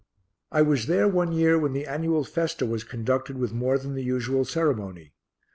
I was there one year when the annual festa was conducted with more than the usual ceremony.